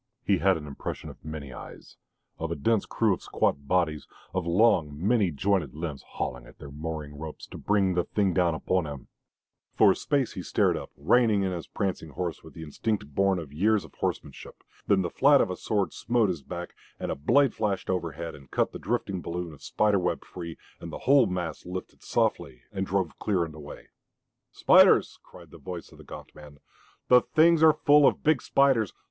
He had an impression of many eyes, of a dense crew of squat bodies, of long, many jointed limbs hauling at their mooring ropes to bring the thing down upon him. For a space he stared up, reining in his prancing horse with the instinct born of years of horsemanship. Then the flat of a sword smote his back, and a blade flashed overhead and cut the drifting balloon of spider web free, and the whole mass lifted softly and drove clear and away. "Spiders!" cried the voice of the gaunt man. "The things are full of big spiders!